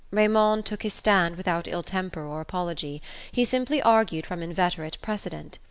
Raymond took his stand without ill temper or apology: he simply argued from inveterate precedent.